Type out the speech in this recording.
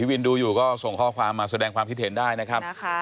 วินดูอยู่ก็ส่งข้อความมาแสดงความคิดเห็นได้นะครับ